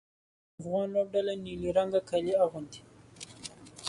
افغان لوبډله نیلي رنګه کالي اغوندي.